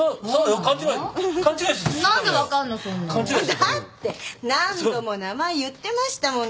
だって何度も名前言ってましたもん。